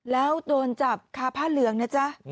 แล้วโดนจับคาผ้าเหลืองนะจ๊ะ